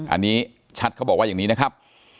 อันนี้ชัดเขาบอกว่าอย่างนี้นะครับ